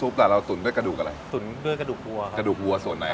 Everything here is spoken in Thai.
เมล็ดผัดชี